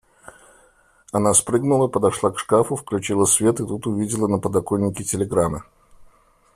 Она спрыгнула, подошла к шкафу, включила свет и тут увидела на подоконнике телеграммы.